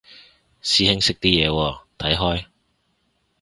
師兄識啲嘢喎，睇開？